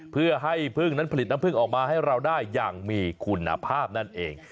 เพื่อให้พึ่งนั้นผลิตน้ำพึ่งออกมาให้เราได้อย่างมีคุณภาพนั่นเอง